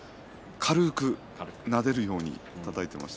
軽くなでるようにたたいてましたね。